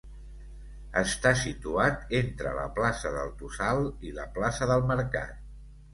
Està situat entre la plaça del Tossal i la plaça del Mercat.